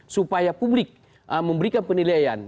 supaya publik memberikan penilaian